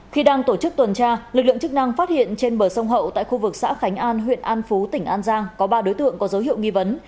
khi đang tổ chức tuần tra lực lượng chức năng phát hiện trên bờ sông hậu tại khu vực xã khánh an huyện an phú tỉnh an giang có ba đối tượng có dấu hiệu nghi vấn